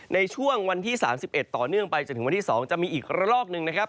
ในช่วงวันที่๓๑ต่อเนื่องไปจนถึงวันที่๒จะมีอีกระลอกหนึ่งนะครับ